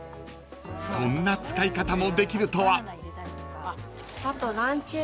［そんな使い方もできるとは］